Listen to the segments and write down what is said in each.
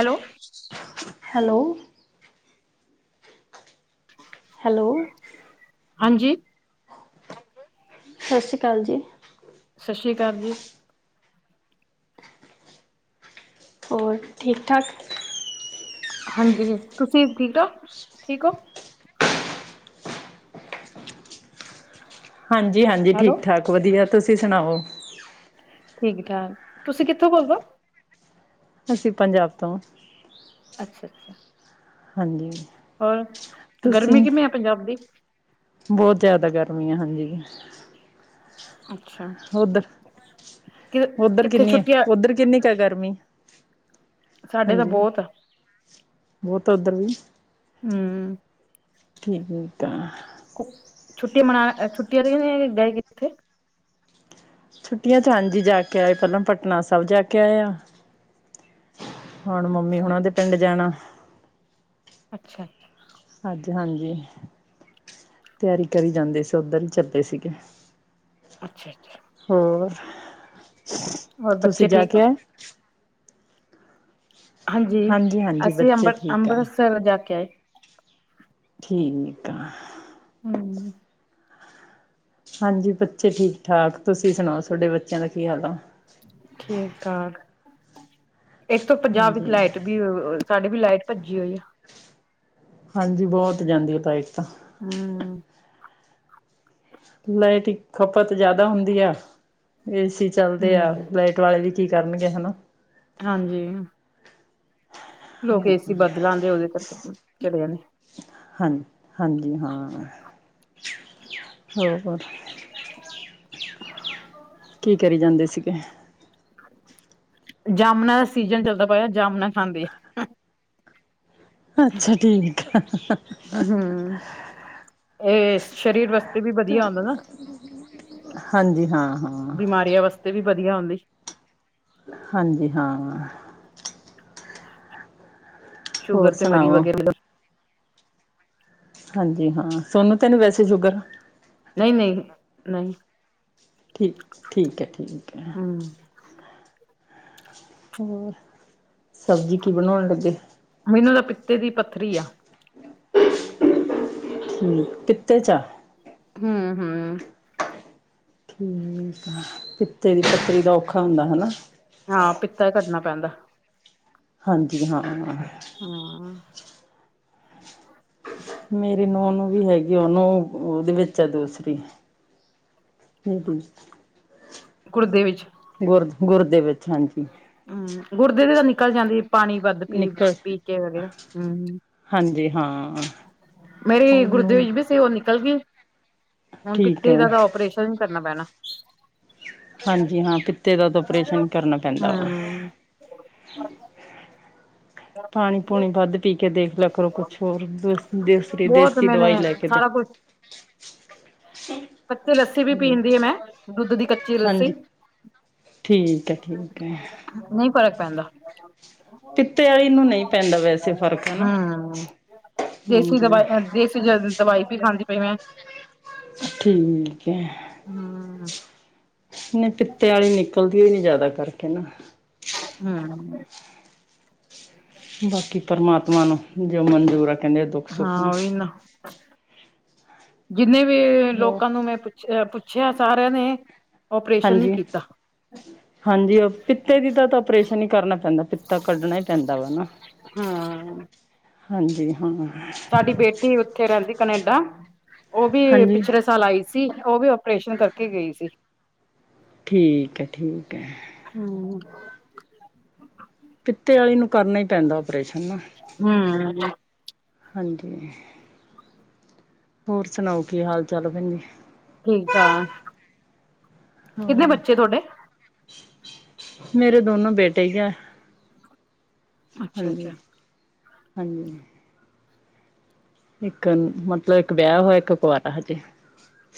Hello, hello, hello, ਹਾਂਜੀ ਸਤਿ ਸ਼੍ਰੀ ਅਕਾਲ ਜੀ। ਸਤਿ ਸ਼੍ਰੀ ਅਕਾਲ ਜੀ। ਹੋਰ ਠੀਕ ਠਾਕ? ਹਾਂਜੀ, ਤੁਸੀਂ ਠੀਕ ਹੋ ਠੀਕ ਹੋ? ਹਾਂਜੀ-ਹਾਂਜੀ, ਹੈਲੋ ਠੀਕ ਠਾਕ ਵਧੀਆ ਤੁਸੀਂ ਸੁਣਾਓ? ਠੀਕ ਠਾਕ, ਤੁਸੀਂ ਕਿੱਥੋਂ ਬੋਲਦੇ, ਅਸੀਂ ਪੰਜਾਬ ਤੋਂ, ਅੱਛਾ ਅੱਛਾ ਹਾਂਜੀ। ਹੋਰ, ਗਰਮੀ ਤੁਸੀਂ ਕਿਵੇਂ ਹੈ ਪੰਜਾਬ ਦੀ, ਬਹੁਤ ਜਿਆਦਾ ਗਰਮੀ ਆ ਹਾਂਜੀ। ਅੱਛਾ ਉਧਰ ਕਿ - ਉੱਧਰ ਕਿੱਥੇ ਕਿੰਨੀ ਹੈ। ਛੁੱਟੀਆਂ ਉੱਧਰ ਕਿੰਨੀ ਗਰਮੀ ਸਾਡੇ ਤਾਂ ਹਾਂਜੀ। ਬਹੁਤ ਆ ਬਹੁਤ ਉੱਧਰ ਵੀ। ਹਮ। ਠੀਕ ਆ। ਛੁੱਟੀ ਮਨਾ ਛੁੱਟੀ ਐਦਾਂ ਗਏ ਸੀ। ਛੁੱਟੀਆਂ ਚ ਹਾਂਜੀ ਜਾ ਕੇ ਆਏ। ਪਹਿਲਾਂ ਪਟਨਾ ਸਾਹਿਬ ਜਾ ਕੇ ਆਇਆ। ਹੁਣ ਮੰਮੀ ਅੱਛਾ ਹੁਣਾ ਉਹ ਦੇ ਪਿੰਡ ਜਾਣਾ। ਅੱਛਾ - ਅੱਛਾ। ਹਾਂਜੀ - ਹਾਂਜੀ। ਤਿਆਰੀ ਕਰੀ ਜਾਂਦੇ ਸੀ। ਉੱਧਰ ਚੱਲੇ ਸੀਗੇ। ਅੱਛਾ - ਅੱਛਾ। ਹੋਰ। ਹੋਰ ਤੁਸੀਂ ਬੱਚੇ ਜਾ ਠੀਕ ਕੇ ਆ। ਆਏ ਹਾਂਜੀ। ਹਾਂਜੀ-ਹਾਂਜੀ ਅਸੀਂ ਬੱਚੇ ਅੰਬਰ ਠੀਕ ਆ। ਅੰਮ੍ਰਿਤਸਰ ਜਾ ਕੇ ਆਏ। ਠੀਕ ਐ। ਹਮ। ਹਾਂਜੀ ਬੱਚੇ ਠੀਕ - ਠਾਕ। ਤੁਸੀਂ ਸੁਣਾਓ ਤੁਹਾਡੇ ਬੱਚਿਆਂ ਦਾ ਕੀ ਹਾਲ ਆ। ਠੀਕ - ਠਾਕ ਇੱਕ ਸੋ ਪੰਜਾਹ ਵਿੱਚ ਹਾਂਜੀ, ਲਾਈਟ ਵੀ। ਸਾਡੇ ਵੀ ਲਾਈਟ ਭੱਜੀ ਹੋਈ ਆ। ਹਾਂਜੀ ਬਹੁਤ ਜਾਂਦੀ। ਉ ਤਾਈਕ ਤਾਂ। ਹਾਂ। ਲਾਈਟ ਦੀ ਖ਼ਪਤ ਜਿਆਦਾ ਹੁੰਦੀ ਆ। ਏ ਸੀ ਚਲਦੇ ਆ ਹੂੰ, ਲਾਈਟ। ਵਾਲੇ ਵੀ ਕੀ ਕਰਨਗੇ ਹਨਾ। ਹਾਂਜੀ। ਲੋਕ ਏ ਸੀ ਬਦਲਾਂਂਗੇ ਉਹਦੇ ਕਰਕੇ ਚਲੇ ਜਾਂਦੇ। ਹਾਂਜੀ - ਹਾਂਜੀ ਹਾਂ ਹੋਰ। ਅੱਜ ਦੋਵੇਂ। ਕੀ ਕਰੀਂ ਜਾਂਦੇ ਸੀਗੇ। ਜਾਮਨਾਂ ਦਾ ਸੀਜਨ ਚੱਲਦਾ ਪਇਆ। ਜਾਮਨਾਂ ਖਾਂਦੇ ਆਂ। ਅੱਛਾ ਠੀਕ ਹੈ। ਹੂੰ, ਇਹ ਸਰੀਰ ਵਾਸਤੇ ਵੀ ਵਧੀਆ ਹੁੰਦਾ ਨਾ। ਹਾਂਜੀ ਹਾਂ - ਹਾਂ। ਇੱਥੇ ਵੀ ਵਧੀਆ ਆਉਂਦੀ। ਹਾਂਜੀ ਹਾਂ। ਹੋਰ ਸ਼ੂਗਰ ਤੇ ਮਰੀਜ਼ ਸੁਣਾਓ? ਵਗੈਰਾ ਤੋਂ। ਹਾਂਜੀ - ਹਾਂ ਸੋਨੂੰ ਤਾਂ ਨਹੀਂ ਵੈਸੇ ਸ਼ੂਗਰ। ਨਹੀਂ - ਨਹੀਂ ਨਹੀਂ। ਠੀਕ - ਠੀਕ ਹੈ ਠੀਕ ਹੈ। ਹੂੰ। ਹੋਰ। ਸਬਜ਼ੀ ਕੀ ਬਣਾਉਣ ਲੱਗੇ। ਮੈਨੂੰ ਤਾਂ ਪਿੱਤੇ ਦੀ ਪੱਥਰੀ ਆਂ। ਹੂੰ ਪਿੱਤੇ 'ਚ ਆਂ। ਹੂੰ ਹੂੰ। ਠੀਕ ਆ ਪਿੱਤੇ। ਦੀ ਪੱਥਰੀ ਦਾ ਔਖਾ ਹੁੰਦਾ ਹਨਾ। ਹਾਂ ਪਿੱਤਾ ਹੀ ਕੱਢਣਾ ਪੈਂਦਾ ਹੈ। ਹਾਂਜੀ ਹਾਂ ਹਾਂਜੀ। ਹਾਂ। ਮੇਰੀ ਨੂੰਹ ਨੂੰ ਵੀ ਹੈਗੀ। ਉਹਨੂੰ ਉਹਦੇ ਵਿੱਚ ਆ ਦੂਸਰੀ। ਇਹਦੇ 'ਚ ਤਾਂ। ਗੁਰਦੇ ਵਿੱਚ। ਗੁਰ ਗੁਰਦੇ ਵਿੱਚ ਹਾਂਜੀ। ਹੂੰ ਗੁੁਰਦੇ ਦੀ ਤਾਂ ਨਿਕਲ ਜਾਂਦੀ ਹੈ ਪਾਣੀ। ਵੱਧ ਪੀ ਨਿਕਲ ਪੀ ਕੇ ਵਗੈਰਾ ਹੂੰ। ਹਾਂਜੀ ਹਾਂ ਮੇਰੀ ਗੁਰਦੇ ਉਹਨੂੰ ਵਿੱਚ ਵੀ ਸੀ। ਉਹ ਨਿਕਲ ਗਈ। ਹੁਣ ਠੀਕ ਪਿੱਤੇ ਹੈ ਦਾ ਤਾਂ ਆਪ੍ਰੇਸ਼ਨ ਕਰਨਾ ਪੈਣਾ ਹੈ। ਹਾਂਜੀ ਹਾਂ ਪਿੱਤੇ ਦਾ ਤਾਂ ਆਪਰੇਸ਼ਨ ਕਰਨਾ ਪੈਂਦਾ ਵਾ। ਹਮ ਪਾਣੀ ਪੂਣੀ ਵੱਧ ਪੀ ਕੇ ਦੇਖ ਲਓ। ਕਰੋ ਕੁਛ ਹੋਰ ਦੂਸਰੀ ਬਹੁਤ ਦੇਸੀ ਮੈਨੇ ਦਵਾਈ ਲੈ ਕੇ ਦੇ ਸਾਰਾ ਕੁਛ ਕੱਚੀ ਲੱਸੀ ਵੀ ਪੀਣ ਦਈ ਆ ਮੈਂ ਦੁੱਧ ਦੀ ਕੱਚੀ ਲੱਸੀ। ਹਾਂਜੀ ਠੀਕ ਹੈ ਠੀਕ ਹੈ। ਨਹੀਂ ਫ਼ਰਕ ਪੈਂਦਾ। ਪਿੱਤੇ ਵਾਲੀ ਨੂੰ ਨਹੀਂ ਪੈਂਦਾ ਵੈਸੇ ਫ਼ਰਕ। ਹਨਾ ਹੂੰ ਦੇਸੀ ਹਾਂਜੀ ਦਵਾਈ ਦੇਸੀ ਦਵਾਈ ਵੀ ਖਾਂਦੀ ਪਈ ਮੈਂ। ਠੀਕ ਹੈ ਹਮ ਨਾਈ ਪਿੱਤੇ ਵਾਲ਼ੀ ਨਿਕਲ। ਭੀੜ ਜ਼ਿਆਦਾ ਕਰਕੇ ਨਾ। ਹੂੰ। ਬਾਕੀ ਪਰਮਾਤਮਾ ਨੂੰ ਜੋ ਮਨਜ਼ੂਰ ਆ ਕਹਿੰਦੇ ਦੁੱਖ ਹਾਂ ਸੁੱਖ ਉਹੀ ਨਾਲ਼। ਨਾ ਜਿੰਨੇ ਵੀ ਹੋਰ ਲੋਕਾਂ ਨੂੰ ਮੈਂ ਪੁੱਛਿਆ ਪੁੱਛਿਆ ਸਾਰਿਆਂ ਨੇ ਓਪਰੇਸ਼ਨ ਹੀ ਹਾਂਜੀ ਕੀਤਾ। ਹਾਂਜੀ ਉਹ ਪਿੱਤੇ ਦੀ ਤਾਂ ਤਾਂ ਆਪਰੇਸ਼ਨ ਹੀ ਕਰਨਾ ਪੈਂਦਾ ਪਿੱਤਾ ਕੱਢਣਾ ਹੀ ਪੈਂਦਾ ਵਾ ਨਾ। ਹਾਂ। ਹਾਂਜੀ ਹਾਂ। ਸਾਡੀ ਬੇਟੀ ਉੱਥੇ ਰਹਿੰਦੀ ਕਨੇਡਾ ਉਹ ਵੀ ਹਾਂਜੀ ਪਿਛਲੇ। ਸਾਲ ਆਈਂ ਸੀ ਉਹ ਵੀ ਆਪ੍ਰੇਸ਼ਨ ਕਰਾਕੇ ਗਈ ਸੀ। ਠੀਕ ਹੈ ਠੀਕ ਹੈ। ਹਮ ਪਿੱਤੇ ਵਾਲੇ ਨੂੰ ਕਰਨਾ ਹੀ ਪੈਂਦਾ ਆਪਰੇਸ਼ਨ ਨਾ ਹੂ ਹੂ ਹੂ ਹਾਂਜੀ। ਹੋਰ ਸੁਣਾਓ ਕੀ ਹਾਲ ਚਾਲ ਭੈਣ ਜੀ। ਠੀਕ ਆ। ਹੋਰ ਮੇਰੇ ਦੋਨੋ ਬੇਟੇ ਹੀ ਹੈ। ਅੱਛਾ ਹਾਂਜੀ ਅੱਛਾ ਹਾਂਜੀ ਇੱਕ ਮਤਲਬ ਇੱਕ ਵਿਆਹ ਹੋਇਆ, ਇੱਕ ਕੁਆਰਾ ਹਜੇ।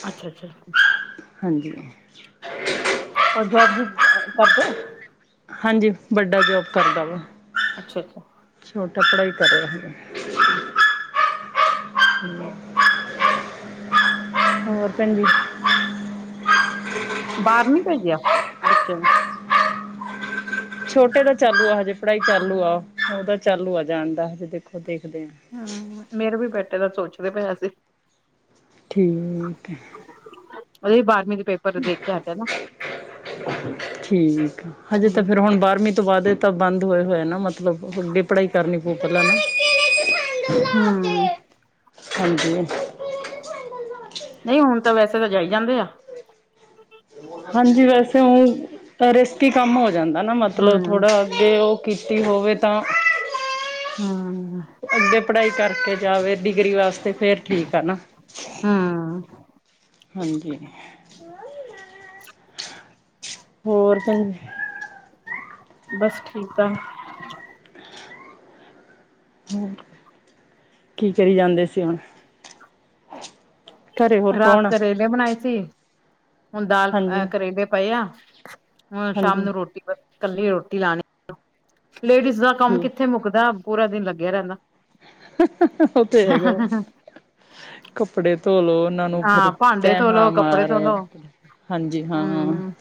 ਅੱਛਾ ਅੱਛਾ ਹਾਂਜੀ ਅ ਜੋਬ ਜੂਬ ਕਰਦੇ। ਹਾਂਜੀ ਵੱਡਾ ਜੋਬ ਕਰਦਾ ਵਾ। ਅੱਛਾ ਅੱਛਾ। ਛੋਟਾ ਪੜ੍ਹਾਈ ਕਰ ਰਿਹਾ ਹੈਗਾ। ਆਹ ਹੂ ਹੋਰ ਭੈਣ ਜੀ। ਬਾਹਰ ਨੀ ਭੇਜਿਆ ਬੱਚਿਆਂ ਨੂੰ। ਛੋਟੇ ਦਾ ਚਾਲੂ ਆ ਹਜੇ ਪੜ੍ਹਾਈ ਚਾਲੂ ਆ ਉਹਦਾ ਚਾਲੂ ਆ ਜਾਣਦਾ ਹਜੇ ਦੇਖੋ ਦੇਖਦੇ ਹਾਂ। ਹਮ ਮੇਰੇ ਵੀ ਬੇਟੇ ਦਾ ਸੋਚਦੇ ਪਏ ਅਸੀਂ। ਠੀਕ ਏ। ਉਹਦੇ ਬਾਰਵੀਂ ਦੇ ਪੇਪਰ। ਦੇਖ ਕੇ ਹਟਿਆ ਨਾ ਠੀਕ ਆ ਹਜੇ ਹੂੰ ਤਾਂ ਫੇਰ ਹੁਣ ਬਾਰਵੀਂ। ਤੋਂ ਬਾਅਦ ਇਹ ਤਾਂ ਬੰਦ ਹੋਏ ਹੋਏ ਨਾ ਮਤਲਬ ਅੱਗੇ ਪੜ੍ਹਾਈ ਕਰਨੀ ਪਊ ਪਹਿਲਾਂ ਨਾ। ਹੂੰ ਹਾਂਜੀ। ਨਹੀਂ ਹੁਣ ਤਾਂ ਵੈਸੇ ਤਾਂ ਜਾਈ ਜਾਂਦੇ ਆ। ਹਾਂਜੀ ਵੈਸੇ ਉਹ ਰਿਸਕੀ ਕੰਮ ਹੋ ਜਾਂਦਾ। ਨਾ ਮਤਲਬ ਹੂੰ ਥੋੜਾ। ਜੇ ਉਹ ਕੀਤੀ ਹੋਵੇ ਤਾਂ। ਹਾਂ। ਅੱਗੇ ਪੜ੍ਹਾਈ ਕਰਕੇ ਜਾਵੇ। ਡਿਗਰੀ ਵਾਸਤੇ ਫੇਰ ਠੀਕ ਆ ਨਾ। ਹਾਂ। ਹਾਂਜੀ। ਹੋਰ। ਬਸ ਠੀਕ ਆ। ਕੀ ਕਰੀ ਜਾਂਦੇ ਸੀ ਹੁਣ। ਘਰੇ ਹੋਰ ਰਾਤ ਕੌਣ ਆ? ਕਰੇਲੇ ਬਣਾਏ ਸੀ। ਹੁਣ ਦਾਲ ਹਾਂਜੀ, ਕਰੇਲੇ ਪਏ ਆ। ਹੁਣ ਸ਼ਾਮ ਹਾਂਜੀ ਨੂੰ ਰੋਟੀ ਕੱਲੀ ਰੋਟੀ ਲਾਣੀ। ਲੇਡੀਜ਼ ਦਾ ਕੰਮ ਕਿੱਥੇ ਠੀਕ ਮੁੱਕਦਾ ਪੂਰਾ ਦਿਨ ਲੱਗਿਆ ਰਹਿਣਾ। ਉਹ ਤੇ ਹੈਗਾ ਵਾ। ਕੱਪੜੇ ਧੋਲੋ ਉਹਨਾਂ ਨੂੰ ਫਿਰ ਹਾਂ ਭਾਂਡੇ ਤੈ ਧੋਲੋ ਹਾਂ ਕੱਪੜੇ ਮਾਰੋ। ਧੋਲੋ ਹਾਂਜੀ ਹਾਂ ਹਮ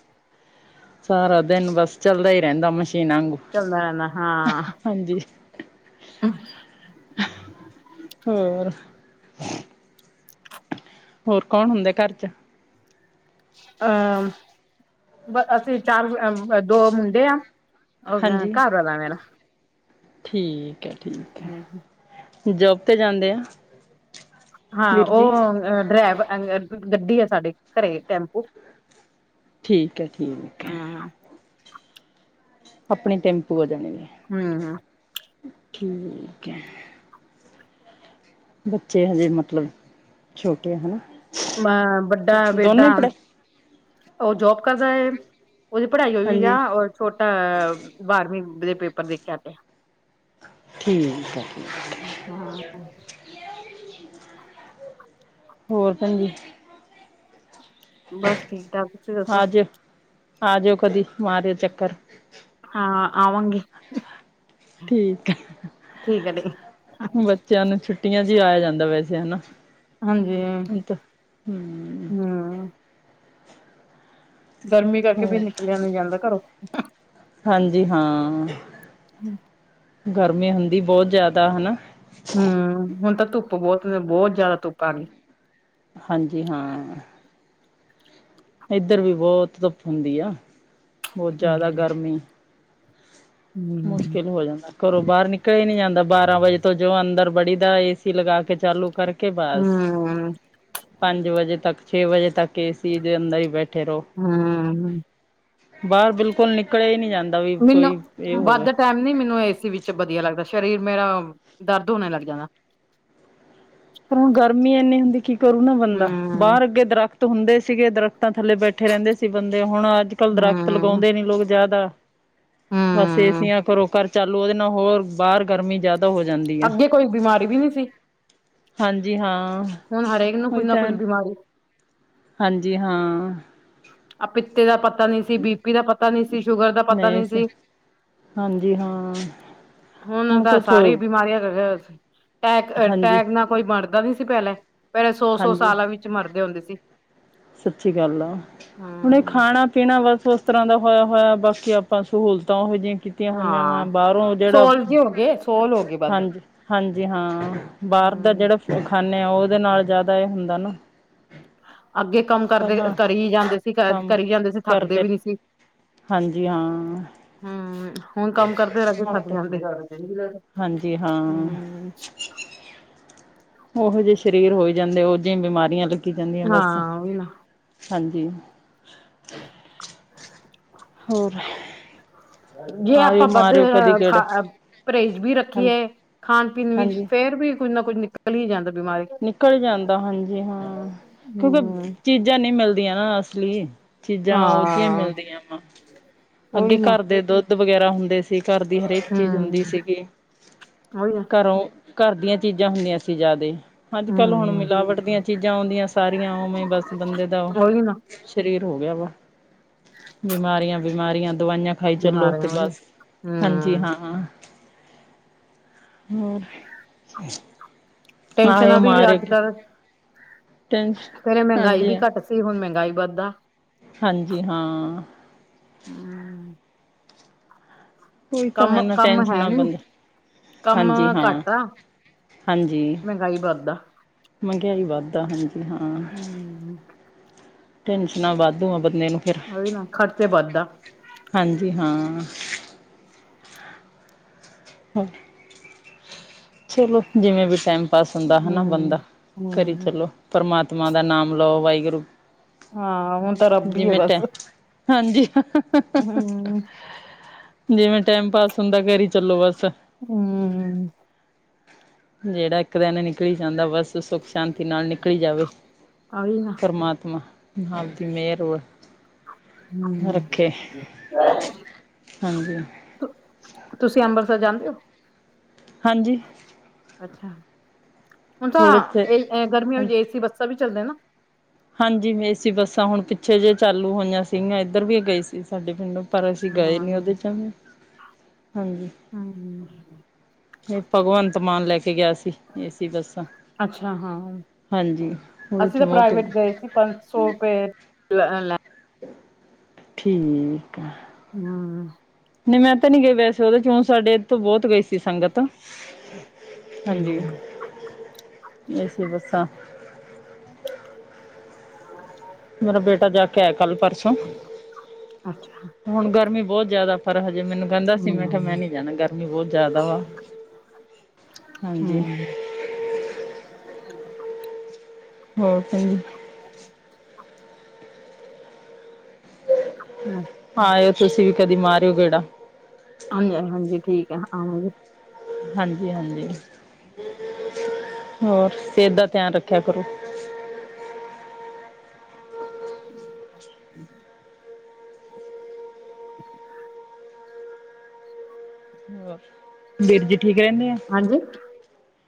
ਸਾਰਾ ਦਿਨ ਬਸ ਚੱਲਦਾ ਹੀ ਰਹਿੰਦਾ। ਮਸ਼ੀਨਾਂ ਆਂਗੂ ਚੱਲਦਾ ਰਹਿੰਦਾ ਹਾਂ। ਹਾਂਜੀ। ਹਮ। ਹੋਰ - ਹੋਰ ਕੌਣ ਹੁੰਦੇ ਘਰ ਚ'। ਅਹ ਬ ਅਸੀਂ ਚਾਰ ਦੋ ਮੁੰਡੇ ਆ। ਹੋਰ ਗਾ ਹਾਂਜੀ ਘਰਵਾਲਾ ਮੇਰਾ। ਠੀਕ ਹੈ ਠੀਕ ਹੈ। ਜੋਬ ਤੇ ਜਾਂਦੇ ਆ। ਹਾਂ ਵੀਰ ਜੀ ਉਹ ਡਰਾਵ ਗੱਡੀ ਆ। ਸਾਡੇ ਘਰੇ ਟੈਂਪੂ। ਠੀਕ ਹੈ ਠੀਕ ਹੈ। ਹਾਂ ਆਪਣੀ ਟੈਂਪੂ ਆ ਜਾਣੇ ਨੇ। ਹਮ। ਠੀਕ ਹੈ। ਬੱਚੇ ਹਜੇਂ ਮਤਲਬ ਛੋਟੇ ਹਾਂ। ਵੱਡਾ ਬੇਟਾ। ਉਹ ਜੋਬ ਕਰਦਾ। ਉਹਦੀ ਪੜ੍ਹਾਈ ਹੋਈ ਹੋਈ ਹਾਂਜੀ ਆ। ਛੋਟਾ ਬਾਰਵੀਂ ਦੇ ਪੇਪਰ ਦੇਕੇ ਆਂਦੇ। ਠੀਕ ਹੇ। ਹੁ। ਹੋਰ ਭੈਣ ਜੀ। ਬਸ ਠੀਕ। ਠਾਕ ਤੁਸੀਂ ਆ ਦੱਸੋ। ਜਾਓ ਆ ਜਾਓ। ਕਦੀ ਮਾਰਿਓ ਚੱਕਰ। ਹਾਂ ਆਵਾਂਗੀ। ਠੀਕ ਆ। ਠੀਕ ਹੈ ਜੀ ਬੱਚਿਆਂ ਨੂੰ ਛੁੱਟੀਆਂ ਚ ਹੀ ਆਇਆ ਜਾਂਦਾ ਵੈਸੇ ਹਨਾ। ਹਾਂਜੀ ਹਮ। ਹਮ ਗਰਮੀ ਕਰਕੇ ਵੀ ਹੋਰ ਨਿਕਲਿਆ ਨੀ ਜਾਂਦਾ। ਘਰੋਂ ਹਾਂਜੀ ਹਾਂ। ਹਮ। ਗਰਮੀ ਹੁੰਦੀ ਬਹੁਤ ਜਿਆਦਾ ਹਨਾ। ਹਮ ਹੁਣ ਤਾਂ ਧੁੱਪ ਬਹੁਤ - ਬਹੁਤ ਜਿਆਦਾ ਧੁੱਪ ਆ ਗਈ। ਹਾਂਜੀ ਹਾਂ। ਇੱਧਰ ਵੀ ਬਹੁਤ ਧੁੱਪ ਹੁੰਦੀ ਆ। ਬਹੁਤ ਜ਼ਿਆਦਾ ਹੂੰ। ਗਰਮੀ। ਮੁਸ਼ਕਿਲ ਹੋ ਜਾਂਦਾ। ਘਰੋਂ ਬਾਹਰ ਨਿਕਲ ਹੀ ਨਹੀਂਂ ਜਾਂਦਾ। ਬਾਰਾਂ ਵਜੇ ਤੋਂ ਜੋ ਅੰਦਰ ਬੜੀ ਦਾ ਏ ਸੀ ਲਗਾ। ਕੇ ਚਾਲੂ ਕਰਕੇ ਕੇ ਬਸ, ਹੂੰ, ਪੰਜ ਵਜੇ ਤੱਕ ਛੇ ਵਜੇ ਤੱਕ ਏ ਸੀ ਦੇ ਅੰਦਰ ਹੀ ਬੈਠੇ ਰਹੋ ਹਮ। ਬਾਹਰ ਬਿਲਕੁਲ ਨਿਕਲੇ ਹੀ ਨਹੀਂ ਜਾਂਦੇ। ਮੈਨੂੰ, ਵੱਧ ਟਾਈਮ ਨੀ ਮੈਨੂੰ ਏਸੀ ਵਿੱਚ ਵਧੀਆ ਲੱਗਦਾ ਸਰੀਰ ਮੇਰਾ ਦਰਦ ਹੋਣੇ ਲੱਗ ਜਾਂਦਾ ਪਰ ਹੁਣ ਗਰਮੀ ਇੰਨੀ ਹੁੰਦੀ ਕੀ ਕਰੂ ਨਾ ਬੰਦਾ ਹੂੰ, ਬਾਹਰ ਅੱਗੇ ਦਰਖਤ ਹੁੰਦੇ ਸੀਗੇ ਦਰਖਤਾਂ ਥੱਲੇ ਬੈਠੇ ਇਕੱਠੇ ਰਹਿੰਦੇ ਸੀ ਬੰਦੇ ਹੁਣ ਅੱਜ ਕੱਲ ਦਰਖਤ ਹੂੰ, ਲਗਾਉਂਦੇ ਨੀ ਲੋਕ ਜ਼ਿਆਦਾ ਬਸ ਹੂੰ, ਏਸੀਆਂ ਘਰੋ ਘਰ ਚਾਲੂ ਉਹਦੇ ਨਾਲ ਹੋਰ ਬਾਹਰ ਗਰਮੀ ਜ਼ਿਆਦਾ ਹੋ ਜਾਂਦੀ ਆ ਅੱਗੇ ਕੋਈ ਬਿਮਾਰੀ ਵੀ ਨਹੀਂ ਸੀ ਹਾਂਜੀ ਹਾਂ ਹੁਣ ਹਰੇਕ ਨੂੰ ਉਹੀ ਕੁੱਝ ਨਾ ਤਾਂ ਹੈ ਕੁੱਝ ਬਿਮਾਰੀ ਹਾਂਜੀ ਹਾਂ ਪਿੱਤੇ ਦਾ ਪਤਾ ਨੀ ਸੀ ਬੀਪੀ ਦਾ ਪਤਾ ਨਹੀਂ ਸੀ ਸ਼ੂਗਰ ਦਾ ਪਤਾ ਨਹੀਂ ਸੀ। ਹਾਂਜੀ ਹਾਂ। ਹੁਣ ਤਾਂ ਸਾਰੇ ਬਿਮਾਰੀਆਂ ਟੈਕ ਹਾਂਜੀ ਟੈਕ ਨਾਲ ਕੋਈ ਮਰਦਾ ਨੀ ਸੀ ਪਹਿਲੇ, ਪਹਿਲੇ ਸੌ ਸੌ ਹਾਂਜੀ ਸਾਲਾਂ ਵਿੱਚ ਮਰਦੇ ਹੁੰਦੇ ਸੀ। ਸੱਚੀ ਗੱਲ ਆ, ਹੁਣ ਇਹ ਹਮ ਖਾਣਾ ਪੀਣਾ ਬਸ ਬਸ ਤਰ੍ਹਾਂ ਦਾ ਹੋਇਆ ਹੋਇਆ ਬਾਕੀ ਆਪਾਂ ਸਹੂਲਤਾਂ ਉਹ ਜਿਹੀਆਂ। ਕੀਤੀਆਂ ਹੋਈਆਂ ਵਾਂ ਹਾਂ ਬਾਹਰੋਂ ਜਿਹੜਾ, ਸੋਲ ਜੇ ਹੋ ਗਏ ਸੋਲ ਹੋ ਗਏ ਵੱਧ ਹਾਂਜੀ ਹਾਂਜੀ ਹਾਂ ਬਾਹਰ ਦਾ ਹਮ ਜਿਹੜਾ ਖਾਨੇ ਆ ਉਹਦੇ ਨਾਲ ਜ਼ਿਆਦਾ ਇਹ ਹੁੰਦਾ ਨਾ ਅੱਗੇ ਕੰਮ ਕਰਦੇ ਪਹਿਲਾਂ ਕਰੀ ਜਾਂਦੇ ਸੀ ਕੰਮ ਕਰੀ ਜਾਂਦੇ ਸੀ ਥੱਕਦੇ ਕਰਦੇ ਵੀ ਨ ਸੀ ਹਾਂਜੀ ਹਾਂ ਹਮ ਹੁਣ ਕੰਮ ਕਰਦੇ ਰਗੇ ਥਥ ਜਾਂਦੇ। ਜੀ ਹਾਂ। ਹਮ ਓੋ ਜਿਹੇ ਸਰੀਰ ਹੋਈ ਜਾਂਦੇ, ਉਹ ਜਿ ਬਿਮਾਰੀਆਂ ਲੱਗੀ ਜਾਂਦੀਆਂ ਬਸ, ਹਾਂ ਵੀ ਨਾ ਹਾਂਜੀ। ਹੋਰ। ਜੇ ਆਇਓ ਆਪਾਂ ਵਧ ਮਾਰਿਓ ਅ ਕਦੀ ਖਾ ਗੇੜਾ ਪਰਹੇਜ਼ ਵੀ ਰੱਖੀ ਹਾਂਜੀ ਹੈ ਖਾਣ ਪੀਣ ਵਿੱਚ ਹਾਂਜੀ ਫੇਰ ਵੀ ਕੁੱਝ ਨਾ ਕੁੱਝ ਨਿਕਲ ਹੀ ਜਾਂਦਾ ਬਿਮਾਰੀ ਨਿਕਲ ਜਾਂਦਾ ਹਾਂਜੀ ਹਾਂ ਕਿਉਂਕਿ ਹਮ ਚੀਜ਼ਾਂ ਨਹੀਂ ਮਿਲਦੀਆਂ ਨਾ ਅਸਲੀ ਚੀਜ਼ਾਂ ਉਹ ਜਿਹੀਆਂ ਹਾਂ ਮਿਲਦੀਆਂ ਵਾ ਅੱਗੇ ਉਹੀ ਨਾ ਘਰ ਦੇ ਦੁੱਧ ਵਗੈਰਾ ਹੁੰਦੇ ਸੀ ਘਰ ਦੀ ਹਰੇਕ ਚੀਜ਼ ਹਮ ਹੁੰਦੀ ਸੀਗੀ ਉਹੀ ਨਾ ਘਰੋਂ ਘਰ ਦੀਆਂ ਚੀਜ਼ਾਂ ਹੁੰਦੀਆਂ ਸੀ ਜ਼ਿਆਦੇ ਅੱਜ ਕੱਲ ਹੁਣ ਹਮ ਮਿਲਾਵਟ ਦੀਆਂ ਚੀਜ਼ਾਂ ਆਉਂਦੀਆਂ ਸਾਰੀਆਂ ਉਵੇਂ ਬਸ ਬੰਦੇ ਦਾ ਉਹ ਉਹੀ ਨਾ ਸਰੀਰ ਹੋ ਗਿਆ ਵਾ ਬਿਮਾਰੀਆਂ ਬਿਮਾਰੀਆਂ ਦਵਾਈਆਂ ਖਾਈ ਚਲੋ ਤੇ ਬਿਮਾਰੀਆਂ ਉਹੀ ਬਸ ਹਾਂਜੀ ਹਮ ਹਾਂ ਹੋਰ ਆਇਓ ਟੈਂਨਸ਼ਨਾਂ ਵੀ ਮਾਰ ਅੱਜ ਅੱਗੇ ਕੱਲ੍ਹ ਟੈਂਸ਼ ਫੇਿਰ ਇਹ ਮਹਿੰਗਾਈ ਵੀ ਹਾਂਜੀ ਘੱਟ ਸੀ ਹੁਣ ਮਹਿੰਗਾਈ ਵੱਧਦਾ ਹਾਂਜੀ ਹਾਂ ਹਮ ਕੋਈ ਤਾਂ ਹੈ ਕੰਮ ਨਾ ਕੰਮ ਹੈ ਟੈਨਸ਼ਨਾਂ ਨੀ ਬੰਦਾ ਕੰਮ ਹਾਂਜੀ ਹਾਂ ਘੱਟ ਆ ਹਾਂਜੀ ਮਹਿੰਗਾਈ ਵੱਧਦਾ ਮਹਿੰਗਾਈ ਵੱਧ ਆ ਹਾਂਜੀ ਹਮ ਟਨਸ਼ਨਾਂ ਵਾਧੂ ਬੰਦੇ ਨੂੰ ਫੇਰ ਉਹ ਵੀ ਨਾ ਖਰਚੇ ਵੱਧਦਾ ਹਾਂਜੀ ਹਾਂ ਹਮ ਚਲੋ ਜਿਵੇਂ ਵੀ ਟਾਈਮ ਪਾਸ ਹੁੰਦਾ ਹਨਾ ਹਮ ਬੰਦਾ ਕਰੀ ਹਮ ਚਲੋ ਪਰਮਾਤਮਾ ਦਾ ਨਾਮ ਲਓ ਵਾਹਿਗੁਰੂ ਹਾਂ ਹੁਣ ਤਾਂ ਰੱਬ ਹੀ ਆ ਜਿਵੇਂ ਬਸ ਟੈ ਹਾਂਜੀ ਹਮ ਜਿਵੇਂ ਟਾਈਮ ਪਾਸ ਹੁੰਦਾ ਕਰ ਹੀ ਚੱਲੋ ਬਸ। ਹਮ ਜਿਹੜਾ ਇੱਕ ਦਿਨ ਨਿਕਲੀ ਜਾਂਦਾ ਬਸ ਸੁੱਖ ਸ਼ਾਂਤੀ ਨਾਲ ਨਿਕਲੀ ਜਾਵੇ। ਉਹੀ ਨਾ ਪਰਮਾਤਮਾ ਆਪ ਆਪ ਦੀ ਮਿਹਰ। ਰੱਖੇ ਹਮ ਹਾਂਜੀ ਤੁ ਤੁਸੀਂ ਅੰਬਰਸਰ ਜਾਂਦੇ ਹੋ? ਹਾਂਜੀ। ਅੱਛਾ, ਹੁਣ ਥੋੜ੍ਹੇ 'ਚ ਤਾਂ ਗਰਮੀਆਂ ਵਿੱਚ ਏਸੀ ਬੱਸਾਂ ਵੀ ਚੱਲਦੇ ਨਾ। ਹਾਂਜੀ, ਏਸੀ ਬੱਸਾਂ ਹੁਣ ਪਿੱਛੇ ਜੇ ਚਾਲੂ ਹੋਈਆਂ ਸੀਆਂ ਐਧਰ ਵੀ ਗਏ ਸੀ ਸਾਡੇ ਪਿੰਡੋ। ਪਰ ਅਸੀਂ ਗਏ ਹਾਂ ਨੀ ਔਦੇ ਚੋ ਵੀ, ਹਾਂਜੀ। ਹਾਏ ਰਬਾ। ਏਹ ਭਗਵੰਤ ਮਾਨ ਲੈ ਕੇ ਗਿਆ ਸੀ। ਏਸੀ ਬੱਸਾਂ ਅੱਛਾ ਹਾਂ, ਹਾਂਜੀ ਉਹਦੇ ਅਸੀਂ ਚ ਤਾਂ ਬਹੁਤ। ਪ੍ਰਾਈਵੇਟ ਗਏ ਸੀ ਪੰਜ ਸੌ ਰੁਪਏ ਲੈ ਠੀਕ ਆ ਹਮ ਨਹੀਂ ਮੈਂ ਤਾਂ ਨੀ ਗਏ ਵੈਸੇ ਉਹਦੇ ਚੋਂ ਸਾਡੇ ਤੋਂ ਬਹੁਤ ਗਈ ਸੀ ਸੰਗਤ। ਹਾਂਜੀ ਹੂੰ, ਅਸੀ ਬੱਸਾਂ ਹ ਮੇਰਾ ਬੇਟਾ ਜਾ ਕੇ ਆਇਆ ਕੱਲ ਪਰਸੋਂ। ਅੱਛਾ ਹੁਣ ਗਰਮੀ ਬਹੁਤ ਜ਼ਿਆਦਾ ਫਰ ਹਜੇ ਮੈਨੂੰ ਕੈਂਦਾ ਸੀ ਮੈਂ ਕੈ ਮੈਂ ਹੂੰ, ਨਹੀਂ ਜਾਣਾ ਗਰਮੀ ਬਹੁਤ ਜ਼ਿਆਦਾ ਵਾ ਹਾਂਜੀ। ਹੂੰ। ਹੋਰ ਕਿੰਦੀ [unintelligible] ਹਮ ਹਾਂ ਤੁਸੀਂ ਵੀ ਕਦੀ ਮਾਰਿਓ ਗੇੜਾ। ਹਾਂਜੀ ਹਾਂਜੀ, ਠੀਕ ਏ ਆਂਵਾਂਗੇ। ਹਾਂਜੀ ਹਾਂਜੀ, ਹੋਰ ਸੇਤ ਦਾ ਧਿਆਨ ਰੱਖਿਆ ਕਰੋ। ਹੋਰ, ਵੀਰ ਜੀ ਠੀਕ ਰੈੰਦੇ ਐਂ? ਹਾਂਜੀ।